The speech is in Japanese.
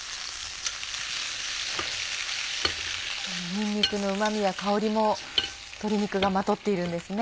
にんにくのうま味や香りも鶏肉がまとっているんですね。